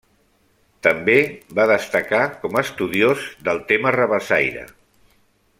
També va destacar com a estudiós del tema rabassaire.